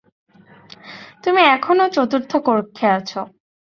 তুমি এখনো চতুর্থ কক্ষে আছো।